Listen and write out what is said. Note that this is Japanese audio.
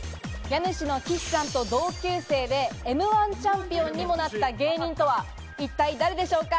家主の岸さんと同級生で、Ｍ−１チャンピオンにもなった芸人とは一体誰でしょうか？